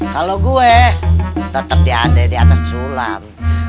kalau gue tetep diandai di atas sulam